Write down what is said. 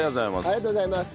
ありがとうございます。